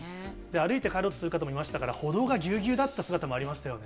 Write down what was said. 歩いて帰ろうとする方もいましたから、歩道がぎゅうぎゅうだった姿もありましたよね。